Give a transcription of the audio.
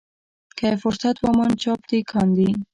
که یې فرصت وموند چاپ دې کاندي.